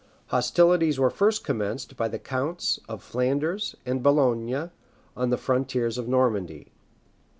Hostilities were first commenced by the counts of Flanders and Boulogne on the frontiers of Normandy.